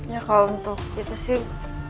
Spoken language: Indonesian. ya kalau untuk itu sih